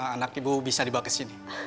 anak ibu bisa dibawa kesini